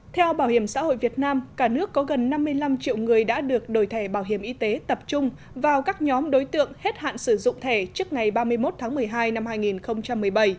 theo bảo hiểm xã hội việt nam cả nước có gần năm mươi năm triệu người đã được đổi thẻ bảo hiểm y tế tập trung vào các nhóm đối tượng hết hạn sử dụng thẻ trước ngày ba mươi một tháng một mươi hai năm hai nghìn một mươi bảy